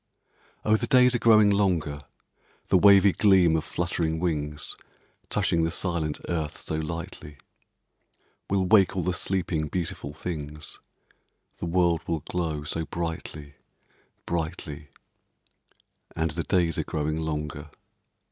Oh, the days are growing longer, The wavy gleam of fluttering wings, Touching the silent earth so lightly, Will wake all the sleeping, beautiful things, The world will glow so brightly brightly; And the days are growing longer.